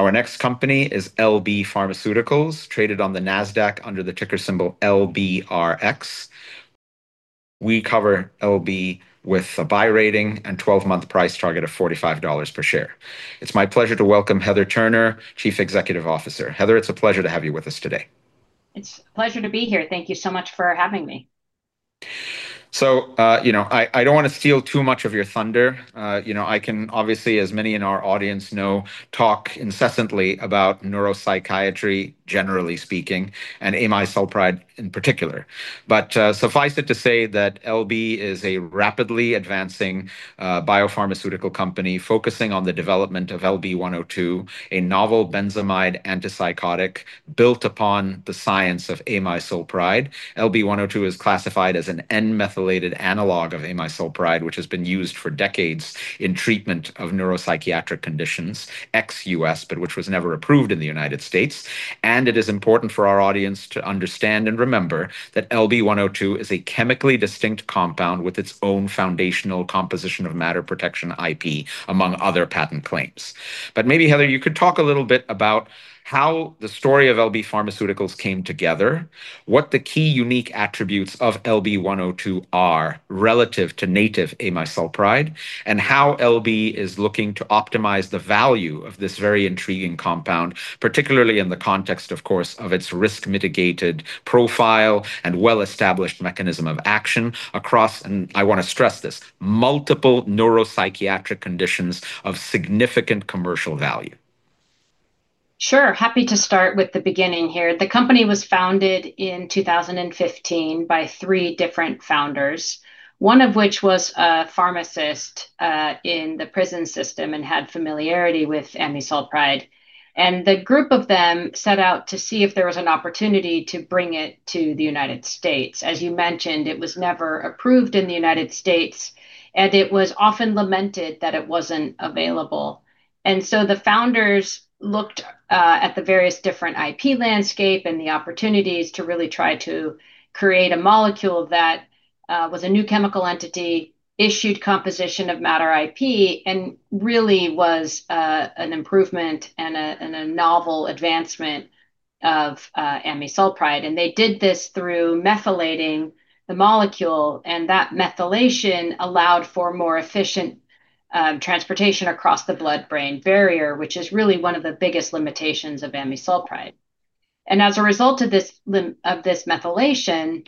Our next company is LB Pharmaceuticals, traded on the NASDAQ under the ticker symbol LBRX. We cover LB with a buy rating and 12-month price target of $45 per share. It's my pleasure to welcome Heather Turner, Chief Executive Officer. Heather, it's a pleasure to have you with us today. It's a pleasure to be here. Thank you so much for having me. I don't want to steal too much of your thunder. I can obviously, as many in our audience know, talk incessantly about neuropsychiatry, generally speaking, and amisulpride in particular. Suffice it to say that LB is a rapidly advancing biopharmaceutical company focusing on the development of LB-102, a novel benzamide antipsychotic built upon the science of amisulpride. LB-102 is classified as an N-methylated analog of amisulpride, which has been used for decades in treatment of neuropsychiatric conditions, ex-U.S., but which was never approved in the United States. It is important for our audience to understand and remember that LB-102 is a chemically distinct compound with its own foundational composition of matter protection IP, among other patent claims. Maybe, Heather, you could talk a little bit about how the story of LB Pharmaceuticals came together, what the key unique attributes of LB-102 are relative to native amisulpride, and how LB is looking to optimize the value of this very intriguing compound, particularly in the context, of course, of its risk mitigated profile and well-established mechanism of action across, and I want to stress this, multiple neuropsychiatric conditions of significant commercial value. Sure. Happy to start with the beginning here. The company was founded in 2015 by three different founders, one of which was a pharmacist in the prison system and had familiarity with amisulpride. The group of them set out to see if there was an opportunity to bring it to the U.S. As you mentioned, it was never approved in the U.S., it was often lamented that it wasn't available. The founders looked at the various different IP landscape and the opportunities to really try to create a molecule that was a new chemical entity, issued composition of matter IP, really was an improvement and a novel advancement of amisulpride. They did this through methylating the molecule, that methylation allowed for more efficient transportation across the blood-brain barrier, which is really one of the biggest limitations of amisulpride. As a result of this methylation,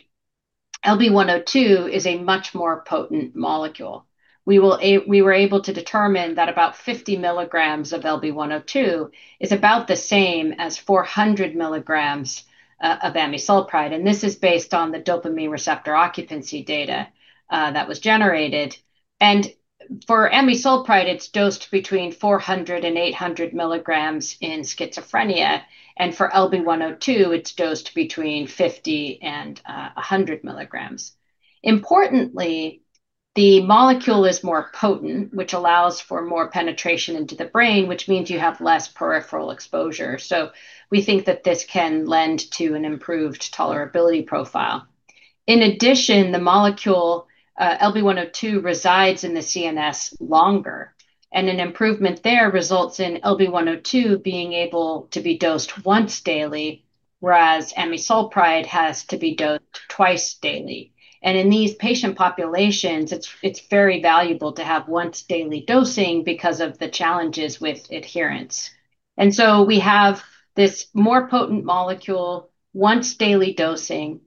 LB-102 is a much more potent molecule. We were able to determine that about 50 mg of LB-102 is about the same as 400 mg of amisulpride, this is based on the dopamine receptor occupancy data that was generated. For amisulpride, it's dosed between 400 mg and 800 mg in schizophrenia. For LB-102, it's dosed between 50 mg and 100 mg. Importantly, the molecule is more potent, which allows for more penetration into the brain, which means you have less peripheral exposure. We think that this can lend to an improved tolerability profile. In addition, the molecule, LB-102, resides in the CNS longer, an improvement there results in LB-102 being able to be dosed once daily, whereas amisulpride has to be dosed twice daily. In these patient populations, it's very valuable to have once-daily dosing because of the challenges with adherence. We have this more potent molecule, once-daily dosing,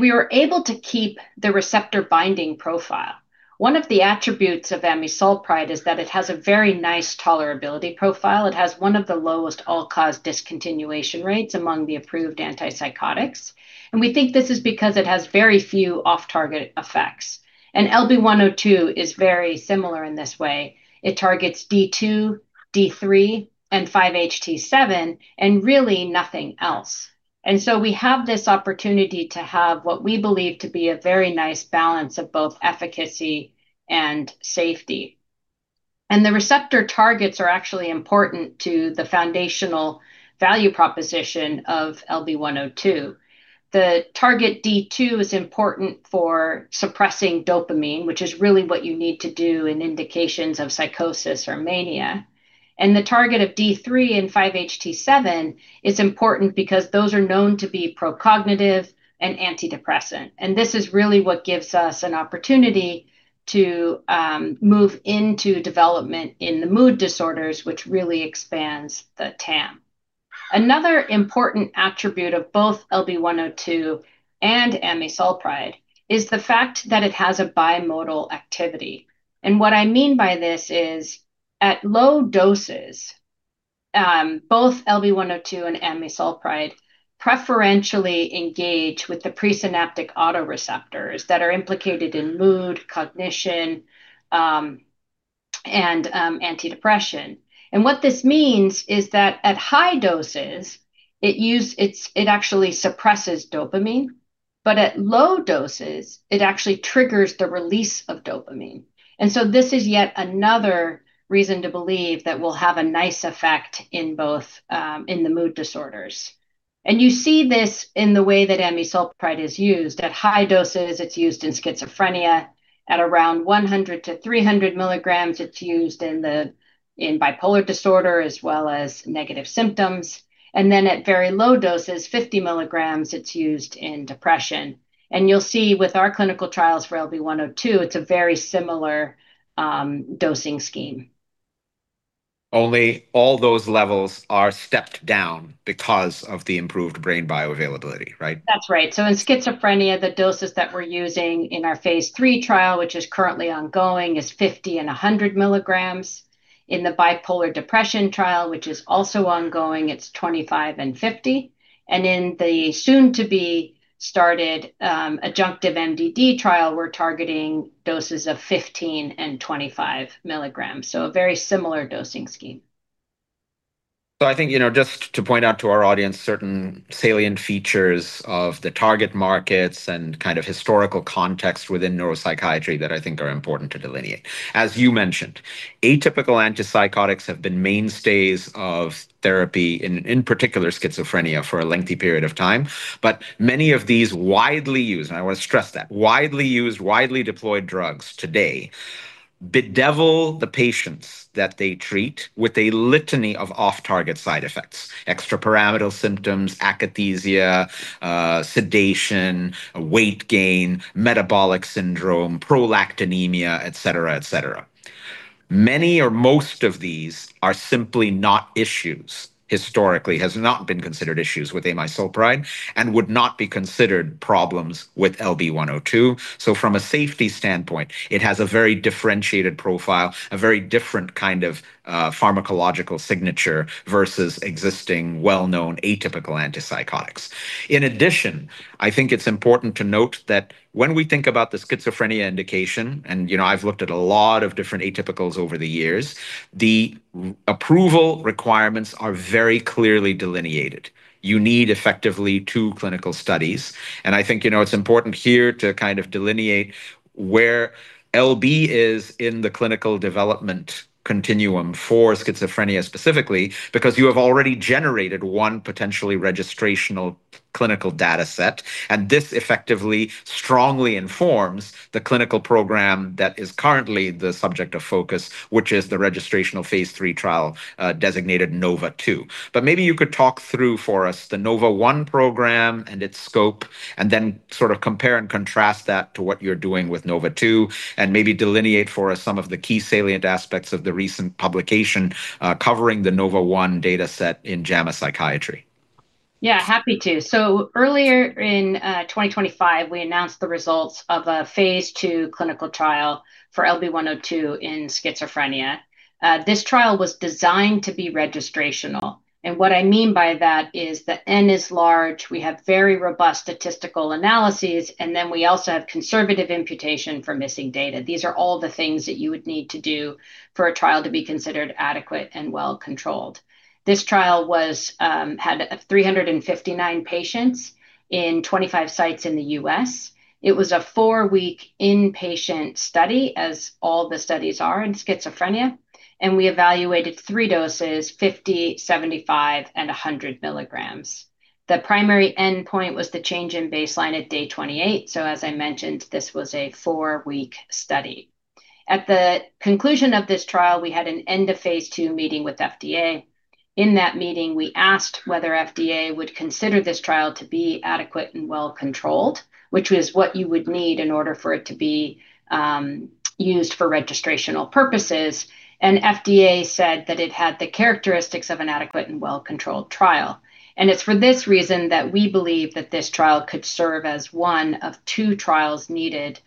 we are able to keep the receptor binding profile. One of the attributes of amisulpride is that it has a very nice tolerability profile. It has one of the lowest all-cause discontinuation rates among the approved antipsychotics. We think this is because it has very few off-target effects. LB-102 is very similar in this way. It targets D2, D3, and 5-HT7, really nothing else. We have this opportunity to have what we believe to be a very nice balance of both efficacy and safety. The receptor targets are actually important to the foundational value proposition of LB-102. The target D2 is important for suppressing dopamine, which is really what you need to do in indications of psychosis or mania. The target of D3 and 5-HT7 is important because those are known to be procognitive and antidepressant. This is really what gives us an opportunity to move into development in the mood disorders, which really expands the TAM. Another important attribute of both LB-102 and amisulpride is the fact that it has a bimodal activity. What I mean by this is, at low doses, both LB-102 and amisulpride preferentially engage with the presynaptic autoreceptors that are implicated in mood, cognition, and anti-depression. What this means is that at high doses, it actually suppresses dopamine. At low doses, it actually triggers the release of dopamine. This is yet another reason to believe that we'll have a nice effect in the mood disorders. You see this in the way that amisulpride is used. At high doses, it's used in schizophrenia. At around 100 mg-300 mg, it's used in bipolar disorder, as well as negative symptoms. Then at very low doses, 50 mg, it's used in depression. You'll see with our clinical trials for LB-102, it's a very similar dosing scheme. Only all those levels are stepped down because of the improved brain bioavailability, right? That's right. In schizophrenia, the doses that we're using in our phase III trial, which is currently ongoing, is 50 and 100 milligrams. In the bipolar depression trial, which is also ongoing, it's 25 and 50. In the soon-to-be started adjunctive MDD trial, we're targeting doses of 15 mg and 25 mg. A very similar dosing scheme. I think, just to point out to our audience certain salient features of the target markets and historical context within neuropsychiatry that I think are important to delineate. As you mentioned, atypical antipsychotics have been mainstays of therapy, in particular schizophrenia, for a lengthy period of time. Many of these widely used, and I want to stress that, widely used, widely deployed drugs today bedevil the patients that they treat with a litany of off-target side effects. Extrapyramidal symptoms, akathisia, sedation, weight gain, metabolic syndrome, prolactinemia, et cetera. Many or most of these are simply not issues, historically has not been considered issues with amisulpride, and would not be considered problems with LB-102. From a safety standpoint, it has a very differentiated profile, a very different kind of pharmacological signature versus existing well-known atypical antipsychotics. In addition, I think it's important to note that when we think about the schizophrenia indication, I've looked at a lot of different atypicals over the years, the approval requirements are very clearly delineated. You need effectively two clinical studies. I think it's important here to delineate where LB is in the clinical development continuum for schizophrenia specifically, because you have already generated one potentially registrational clinical data set. This effectively strongly informs the clinical program that is currently the subject of focus, which is the registrational phase III trial, designated NOVA 2. Maybe you could talk through for us the NOVA 1 program and its scope, then compare and contrast that to what you're doing with NOVA 2, and maybe delineate for us some of the key salient aspects of the recent publication covering the NOVA 1 data set in JAMA Psychiatry. Yeah, happy to. Earlier in 2025, we announced the results of a phase II clinical trial for LB-102 in schizophrenia. This trial was designed to be registrational. What I mean by that is the N is large, we have very robust statistical analyses, we also have conservative imputation for missing data. These are all the things that you would need to do for a trial to be considered adequate and well-controlled. This trial had 359 patients in 25 sites in the U.S. It was a four-week inpatient study, as all the studies are in schizophrenia. We evaluated three doses, 50 mg, 75 mg, and 100 mg. The primary endpoint was the change in baseline at day 28. As I mentioned, this was a four-week study. At the conclusion of this trial, we had an end of phase II meeting with FDA. In that meeting, we asked whether FDA would consider this trial to be adequate and well-controlled, which was what you would need in order for it to be used for registrational purposes. FDA said that it had the characteristics of an adequate and well-controlled trial. It's for this reason that we believe that this trial could serve as one of two trials needed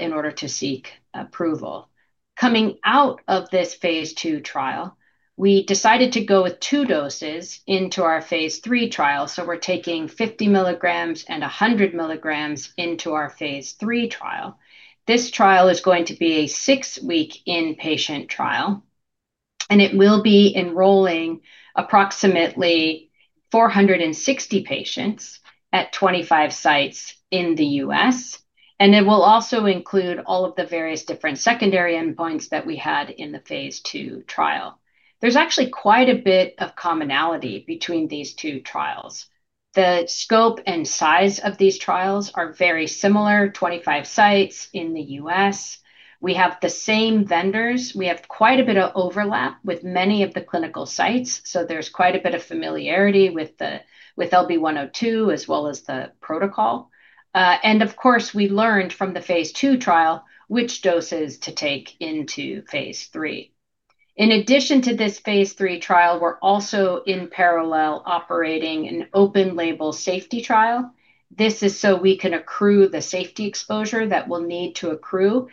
in order to seek approval. Coming out of this phase II trial, we decided to go with two doses into our phase III trial. We're taking 50 mg and 100 mg into our phase III trial. This trial is going to be a six-week inpatient trial, and it will be enrolling approximately 460 patients at 25 sites in the U.S. It will also include all of the various different secondary endpoints that we had in the phase II trial. There's actually quite a bit of commonality between these two trials. The scope and size of these trials are very similar, 25 sites in the U.S. We have the same vendors. We have quite a bit of overlap with many of the clinical sites. There's quite a bit of familiarity with LB-102 as well as the protocol. Of course, we learned from the phase II trial which doses to take into phase III. In addition to this phase III trial, we're also in parallel operating an open label safety trial. This is so we can accrue the safety exposure that we'll need to accrue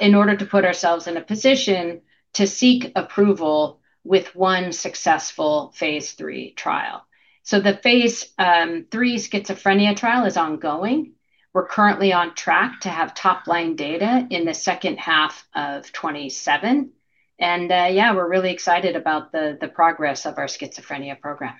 in order to put ourselves in a position to seek approval with one successful phase III trial. The phase III schizophrenia trial is ongoing. We're currently on track to have top-line data in the second half of 2027. Yeah, we're really excited about the progress of our schizophrenia program.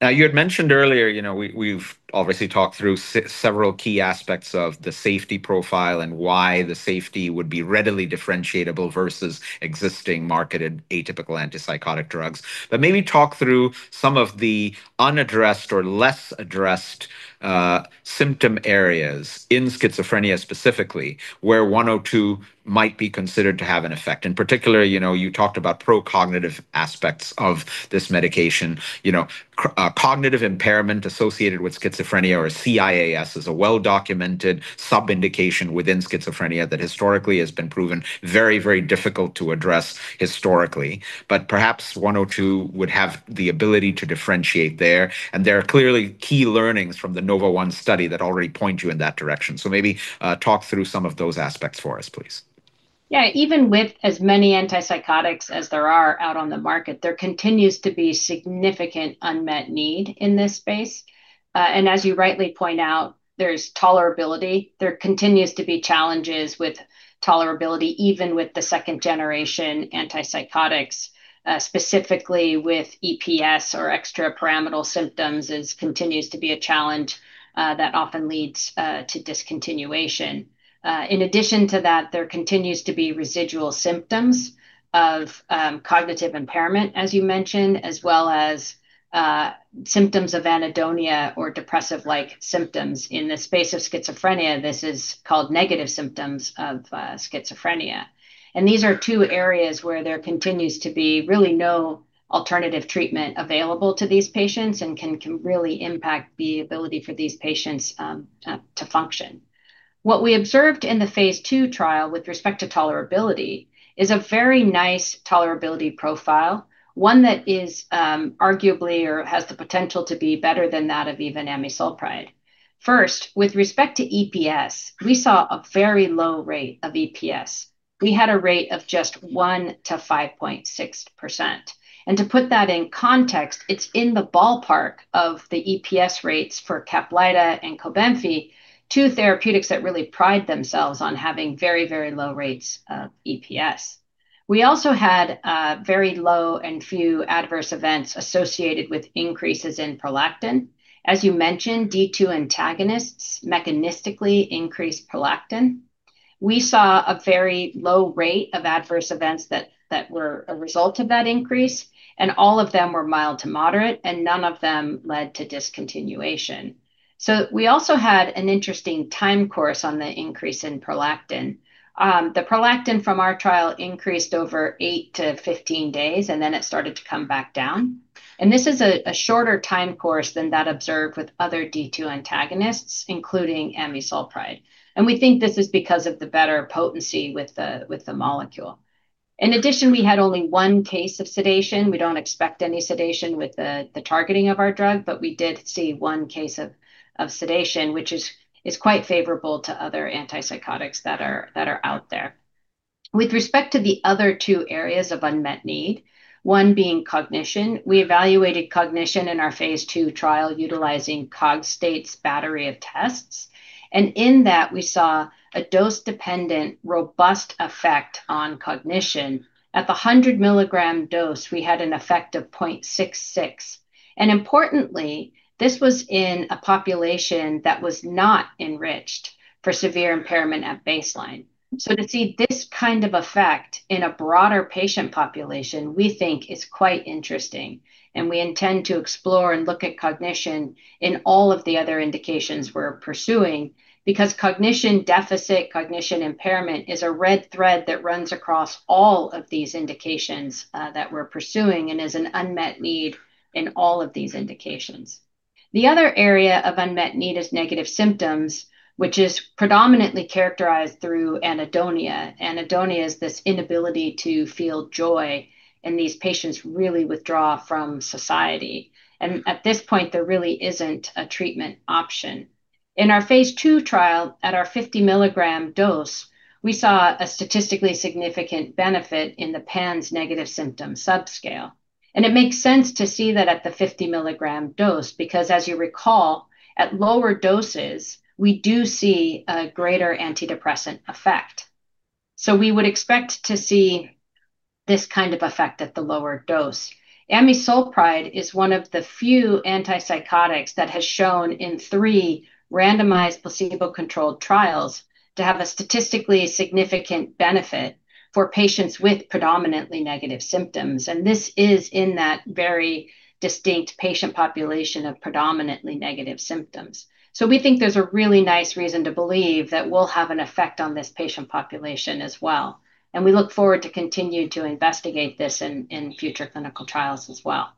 You had mentioned earlier, we've obviously talked through several key aspects of the safety profile and why the safety would be readily differentiable versus existing marketed atypical antipsychotic drugs. Maybe talk through some of the unaddressed or less addressed symptom areas in schizophrenia specifically, where 102 might be considered to have an effect. In particular, you talked about pro-cognitive aspects of this medication. Cognitive impairment associated with schizophrenia, or CIAS, is a well-documented sub-indication within schizophrenia that historically has been proven very difficult to address historically. Perhaps 102 would have the ability to differentiate there, and there are clearly key learnings from the NOVA-1 study that already point you in that direction. Maybe talk through some of those aspects for us, please. Yeah. Even with as many antipsychotics as there are out on the market, there continues to be significant unmet need in this space. As you rightly point out, there's tolerability. There continues to be challenges with tolerability, even with the second-generation antipsychotics. Specifically with EPS or extrapyramidal symptoms, continues to be a challenge that often leads to discontinuation. In addition to that, there continues to be residual symptoms of cognitive impairment, as you mentioned, as well as symptoms of anhedonia or depressive-like symptoms. In the space of schizophrenia, this is called negative symptoms of schizophrenia. These are two areas where there continues to be really no alternative treatment available to these patients and can really impact the ability for these patients to function. What we observed in the phase II trial with respect to tolerability is a very nice tolerability profile, one that is arguably or has the potential to be better than that of even amisulpride. First, with respect to EPS, we saw a very low rate of EPS. We had a rate of just 1%-5.6%. To put that in context, it's in the ballpark of the EPS rates for CAPLYTA and COBENFY, two therapeutics that really pride themselves on having very low rates of EPS. We also had very low and few adverse events associated with increases in prolactin. As you mentioned, D2 antagonists mechanistically increase prolactin. We saw a very low rate of adverse events that were a result of that increase, and all of them were mild to moderate, and none of them led to discontinuation. We also had an interesting time course on the increase in prolactin. The prolactin from our trial increased over 8-15 days, then it started to come back down. This is a shorter time course than that observed with other D2 antagonists, including amisulpride. We think this is because of the better potency with the molecule. In addition, we had only one case of sedation. We don't expect any sedation with the targeting of our drug, but we did see one case of sedation, which is quite favorable to other antipsychotics that are out there. With respect to the other two areas of unmet need, one being cognition. We evaluated cognition in our phase II trial utilizing Cogstate's battery of tests, in that, we saw a dose-dependent, robust effect on cognition. At the 100 mg dose, we had an effect of 0.66. Importantly, this was in a population that was not enriched for severe impairment at baseline. To see this kind of effect in a broader patient population, we think is quite interesting, we intend to explore and look at cognition in all of the other indications we're pursuing. Because cognition deficit, cognition impairment is a red thread that runs across all of these indications that we're pursuing and is an unmet need in all of these indications. The other area of unmet need is negative symptoms, which is predominantly characterized through anhedonia. Anhedonia is this inability to feel joy, and these patients really withdraw from society. At this point, there really isn't a treatment option. In our phase II trial, at our 50 mg dose, we saw a statistically significant benefit in the PANSS negative symptom subscale. It makes sense to see that at the 50 mg dose, because as you recall, at lower doses, we do see a greater antidepressant effect. We would expect to see this kind of effect at the lower dose. Amisulpride is one of the few antipsychotics that has shown in three randomized placebo-controlled trials to have a statistically significant benefit for patients with predominantly negative symptoms. This is in that very distinct patient population of predominantly negative symptoms. We think there's a really nice reason to believe that we'll have an effect on this patient population as well, we look forward to continue to investigate this in future clinical trials as well.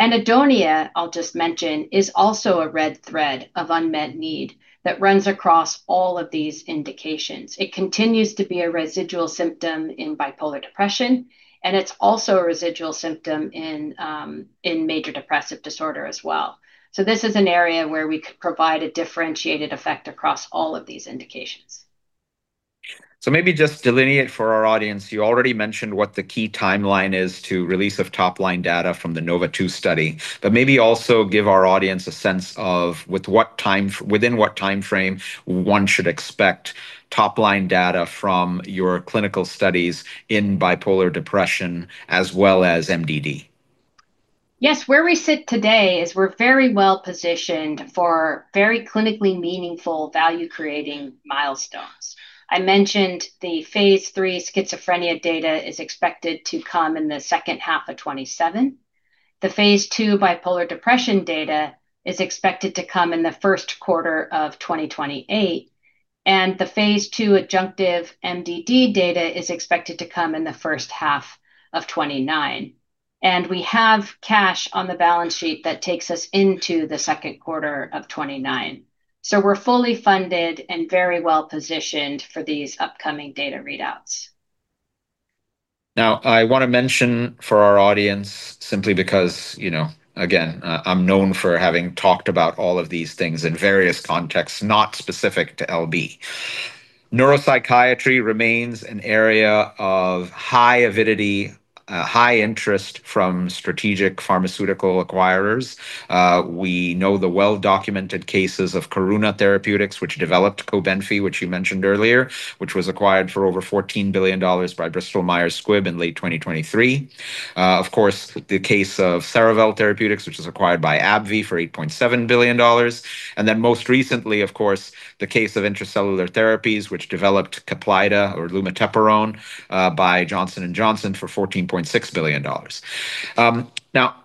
Anhedonia, I'll just mention, is also a red thread of unmet need that runs across all of these indications. It continues to be a residual symptom in bipolar depression, it's also a residual symptom in major depressive disorder as well. This is an area where we could provide a differentiated effect across all of these indications. Maybe just delineate for our audience, you already mentioned what the key timeline is to release of top-line data from the NOVA-2 study, but maybe also give our audience a sense of within what timeframe one should expect top-line data from your clinical studies in bipolar depression as well as MDD. Yes. Where we sit today is we're very well positioned for very clinically meaningful value-creating milestones. I mentioned the phase III schizophrenia data is expected to come in the second half of 2027. The phase II bipolar depression data is expected to come in the first quarter of 2028, and the phase II adjunctive MDD data is expected to come in the first half of 2029. We have cash on the balance sheet that takes us into the second quarter of 2029. We're fully funded and very well positioned for these upcoming data readouts. I want to mention for our audience, simply because, again, I'm known for having talked about all of these things in various contexts, not specific to LB. Neuropsychiatry remains an area of high avidity, high interest from strategic pharmaceutical acquirers. We know the well-documented cases of Karuna Therapeutics, which developed COBENFY, which you mentioned earlier, which was acquired for over $14 billion by Bristol Myers Squibb in late 2023. Of course, the case of Cerevel Therapeutics, which was acquired by AbbVie for $8.7 billion. Most recently, of course, the case of Intra-Cellular Therapies, which developed CAPLYTA, or lumateperone, by Johnson & Johnson for $14.6 billion.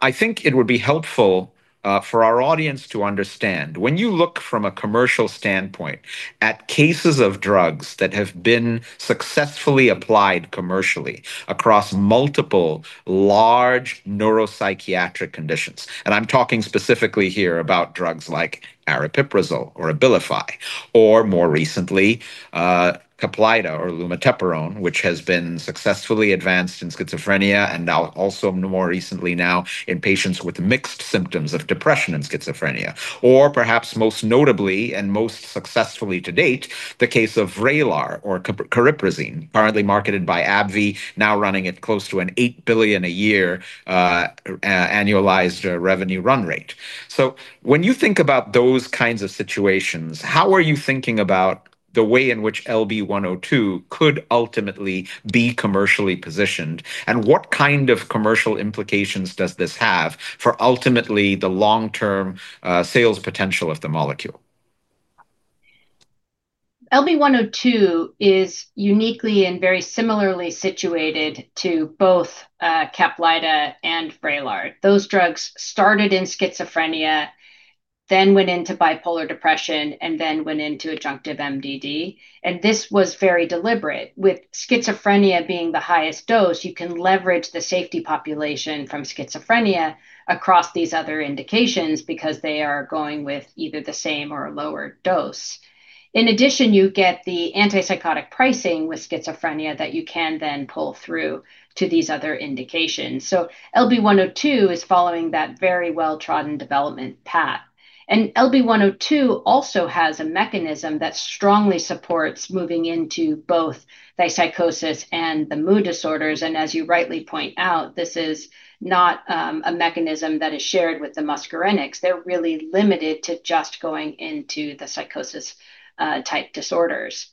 I think it would be helpful for our audience to understand When you look from a commercial standpoint at cases of drugs that have been successfully applied commercially across multiple large neuropsychiatric conditions, I'm talking specifically here about drugs like aripiprazole or ABILIFY, or more recently, CAPLYTA or lumateperone, which has been successfully advanced in schizophrenia and now also more recently now in patients with mixed symptoms of depression and schizophrenia. Perhaps most notably and most successfully to date, the case of VRAYLAR, or cariprazine, currently marketed by AbbVie, now running at close to an $8 billion a year annualized revenue run rate. When you think about those kinds of situations, how are you thinking about the way in which LB-102 could ultimately be commercially positioned, and what kind of commercial implications does this have for ultimately the long-term sales potential of the molecule? LB-102 is uniquely and very similarly situated to both CAPLYTA and VRAYLAR. Those drugs started in schizophrenia, then went into bipolar depression, and then went into adjunctive MDD. This was very deliberate. With schizophrenia being the highest dose, you can leverage the safety population from schizophrenia across these other indications because they are going with either the same or a lower dose. In addition, you get the antipsychotic pricing with schizophrenia that you can then pull through to these other indications. LB-102 is following that very well-trodden development path. LB-102 also has a mechanism that strongly supports moving into both the psychosis and the mood disorders, and as you rightly point out, this is not a mechanism that is shared with the muscarinics. They're really limited to just going into the psychosis type disorders.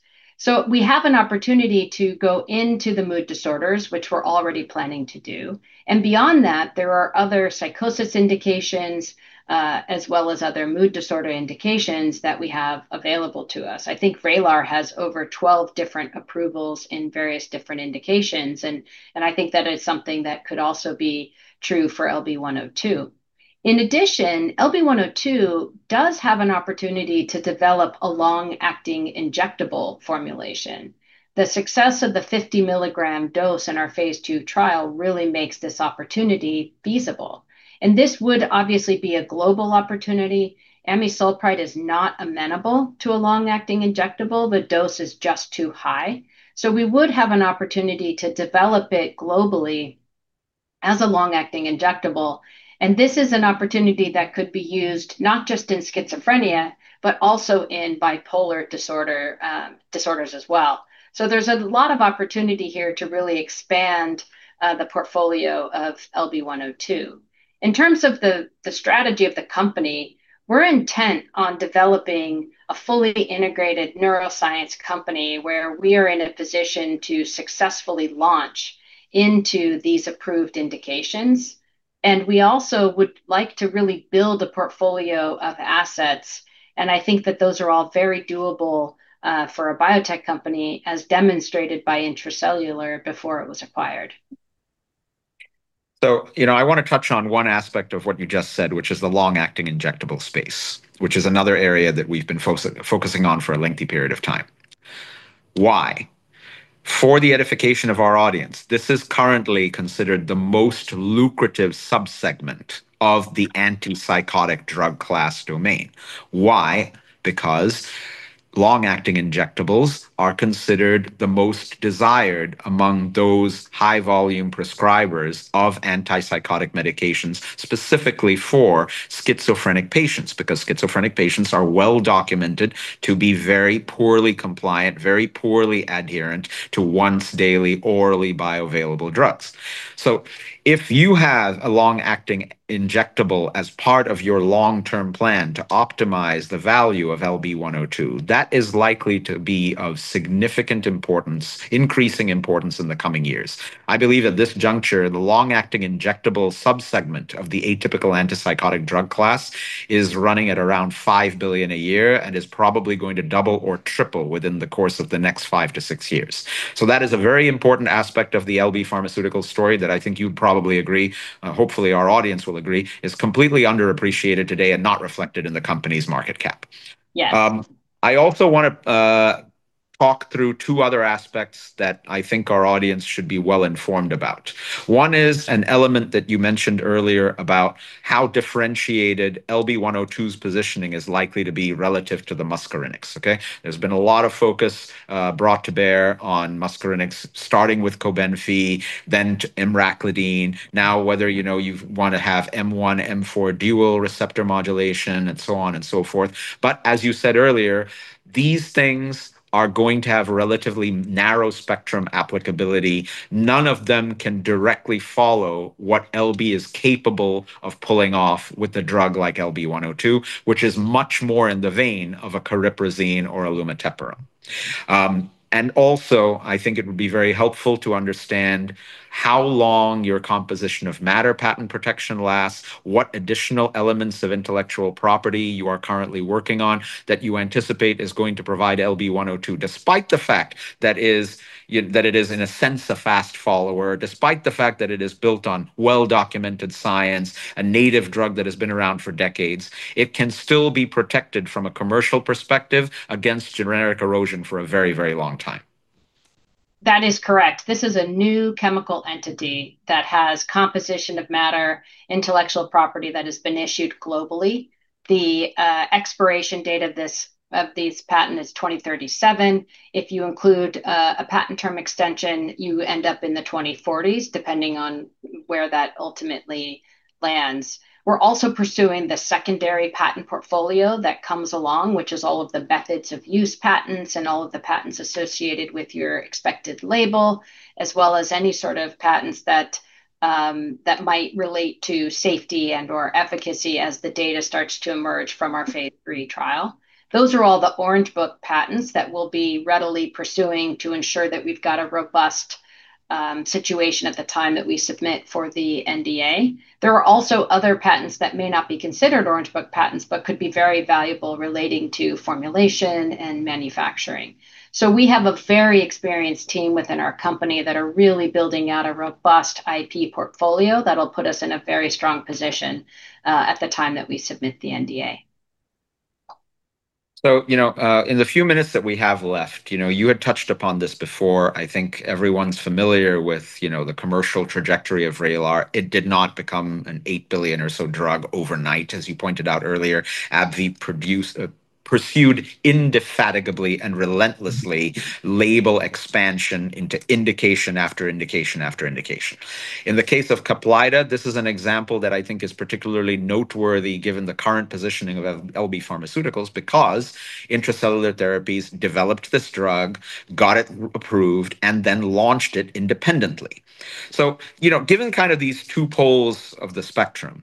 We have an opportunity to go into the mood disorders, which we're already planning to do. Beyond that, there are other psychosis indications, as well as other mood disorder indications that we have available to us. I think VRAYLAR has over 12 different approvals in various different indications, and I think that is something that could also be true for LB-102. In addition, LB-102 does have an opportunity to develop a long-acting injectable formulation. The success of the 50 milligram dose in our phase II trial really makes this opportunity feasible, and this would obviously be a global opportunity. amisulpride is not amenable to a long-acting injectable. The dose is just too high. We would have an opportunity to develop it globally as a long-acting injectable, and this is an opportunity that could be used not just in schizophrenia, but also in bipolar disorders as well. There's a lot of opportunity here to really expand the portfolio of LB-102. In terms of the strategy of the company, we're intent on developing a fully integrated neuroscience company where we are in a position to successfully launch into these approved indications, and we also would like to really build a portfolio of assets, and I think that those are all very doable for a biotech company, as demonstrated by Intra-Cellular before it was acquired. I want to touch on one aspect of what you just said, which is the long-acting injectable space, which is another area that we've been focusing on for a lengthy period of time. Why? For the edification of our audience, this is currently considered the most lucrative subsegment of the antipsychotic drug class domain. Why? Because long-acting injectables are considered the most desired among those high-volume prescribers of antipsychotic medications, specifically for schizophrenic patients, because schizophrenic patients are well documented to be very poorly compliant, very poorly adherent to once-daily orally bioavailable drugs. If you have a long-acting injectable as part of your long-term plan to optimize the value of LB-102, that is likely to be of significant importance, increasing importance in the coming years. I believe at this juncture, the long-acting injectable subsegment of the atypical antipsychotic drug class is running at around $5 billion a year and is probably going to double or triple within the course of the next five to six years. That is a very important aspect of the LB Pharmaceuticals story that I think you'd probably agree, hopefully our audience will agree, is completely underappreciated today and not reflected in the company's market cap. Yes. I also want to talk through two other aspects that I think our audience should be well-informed about. One is an element that you mentioned earlier about how differentiated LB-102's positioning is likely to be relative to the muscarinics. Okay? There's been a lot of focus brought to bear on muscarinics, starting with COBENFY, then to emraclidine. Whether you want to have M1, M4 dual receptor modulation and so on and so forth. As you said earlier, these things are going to have relatively narrow spectrum applicability. None of them can directly follow what LB is capable of pulling off with a drug like LB-102, which is much more in the vein of a cariprazine or a lumateperone. Also, I think it would be very helpful to understand how long your composition of matter patent protection lasts, what additional elements of intellectual property you are currently working on that you anticipate is going to provide LB-102, despite the fact that it is, in a sense, a fast follower, despite the fact that it is built on well-documented science, a native drug that has been around for decades. It can still be protected from a commercial perspective against generic erosion for a very long time. That is correct. This is a new chemical entity that has composition of matter intellectual property that has been issued globally. The expiration date of this patent is 2037. If you include a patent term extension, you end up in the 2040s, depending on where that ultimately lands. We're also pursuing the secondary patent portfolio that comes along, which is all of the methods of use patents and all of the patents associated with your expected label, as well as any sort of patents that might relate to safety and/or efficacy as the data starts to emerge from our phase III trial. Those are all the Orange Book patents that we'll be readily pursuing to ensure that we've got a robust situation at the time that we submit for the NDA. There are also other patents that may not be considered Orange Book patents, but could be very valuable relating to formulation and manufacturing. We have a very experienced team within our company that are really building out a robust IP portfolio that will put us in a very strong position at the time that we submit the NDA. In the few minutes that we have left, you had touched upon this before. I think everyone's familiar with the commercial trajectory of VRAYLAR. It did not become an $8 billion or so drug overnight, as you pointed out earlier. AbbVie pursued indefatigably and relentlessly label expansion into indication after indication. In the case of CAPLYTA, this is an example that I think is particularly noteworthy given the current positioning of LB Pharmaceuticals because Intra-Cellular Therapies developed this drug, got it approved, and then launched it independently. Given these two poles of the spectrum,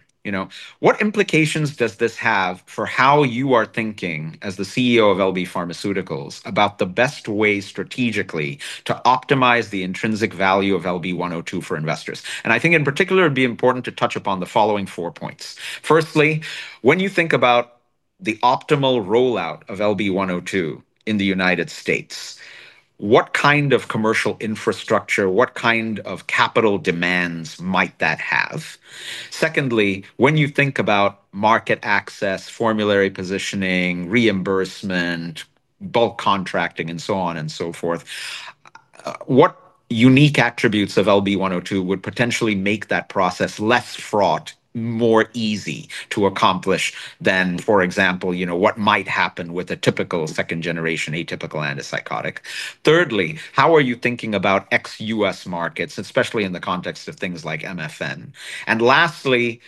what implications does this have for how you are thinking as the Chief Executive Officer of LB Pharmaceuticals about the best way strategically to optimize the intrinsic value of LB-102 for investors? I think in particular, it would be important to touch upon the following four points. Firstly, when you think about the optimal rollout of LB-102 in the U.S., what kind of commercial infrastructure, what kind of capital demands might that have? Secondly, when you think about market access, formulary positioning, reimbursement, bulk contracting, and so on and so forth, what unique attributes of LB-102 would potentially make that process less fraught, more easy to accomplish than, for example, what might happen with a typical second-generation atypical antipsychotic? Thirdly, how are you thinking about ex-U.S. markets, especially in the context of things like MFN? Lastly,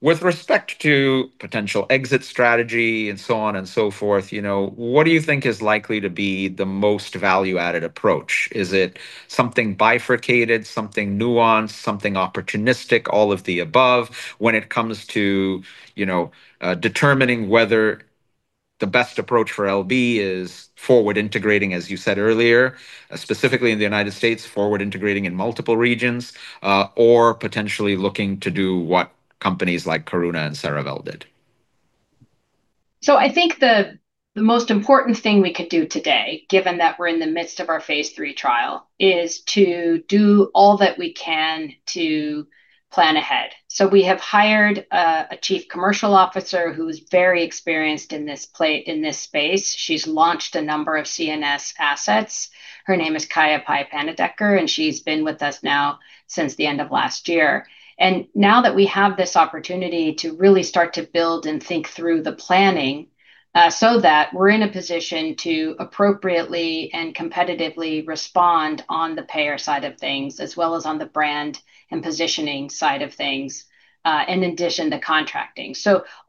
with respect to potential exit strategy and so on and so forth, what do you think is likely to be the most value-added approach? Is it something bifurcated, something nuanced, something opportunistic, all of the above when it comes to determining whether the best approach for LB is forward integrating, as you said earlier, specifically in the U.S., forward integrating in multiple regions, or potentially looking to do what companies like Karuna and Cerevel did? I think the most important thing we could do today, given that we're in the midst of our phase III trial, is to do all that we can to plan ahead. We have hired a Chief Commercial Officer who's very experienced in this space. She's launched a number of CNS assets. Her name is Kaya Pai Panandiker, and she's been with us now since the end of last year. Now that we have this opportunity to really start to build and think through the planning, so that we're in a position to appropriately and competitively respond on the payer side of things, as well as on the brand and positioning side of things, in addition to contracting.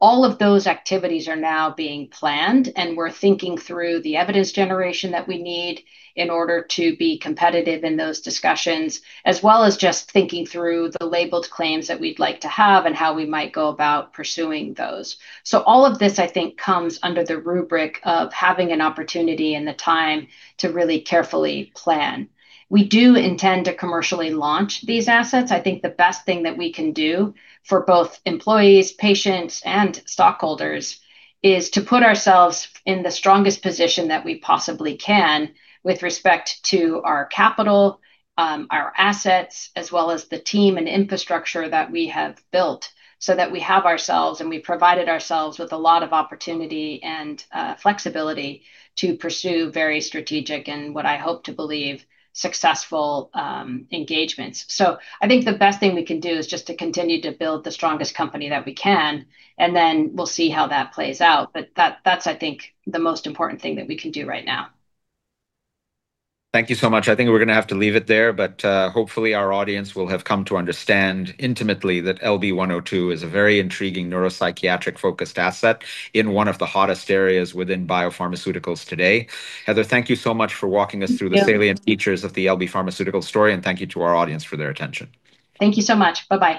All of those activities are now being planned, and we're thinking through the evidence generation that we need in order to be competitive in those discussions, as well as just thinking through the labeled claims that we'd like to have and how we might go about pursuing those. All of this, I think, comes under the rubric of having an opportunity and the time to really carefully plan. We do intend to commercially launch these assets. I think the best thing that we can do for both employees, patients, and stockholders is to put ourselves in the strongest position that we possibly can with respect to our capital, our assets, as well as the team and infrastructure that we have built, so that we have ourselves, and we've provided ourselves with a lot of opportunity and flexibility to pursue very strategic and what I hope to believe, successful engagements. I think the best thing we can do is just to continue to build the strongest company that we can, and then we'll see how that plays out. That's, I think, the most important thing that we can do right now. Thank you so much. I think we're going to have to leave it there, but hopefully our audience will have come to understand intimately that LB-102 is a very intriguing neuropsychiatric-focused asset in one of the hottest areas within biopharmaceuticals today. Heather, thank you so much for walking us through. Yeah. salient features of the LB Pharmaceuticals story, and thank you to our audience for their attention. Thank you so much. Bye-bye.